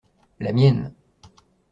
La mienne.